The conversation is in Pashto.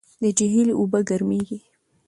د جهیل اوبه ګرمېږي.